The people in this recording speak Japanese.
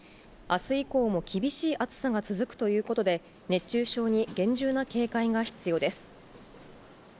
あす以降も厳しい暑さが続くということで、熱中症に厳重な警戒が必要です。